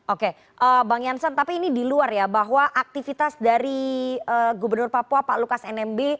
oke bang jansen tapi ini di luar ya bahwa aktivitas dari gubernur papua pak lukas nmb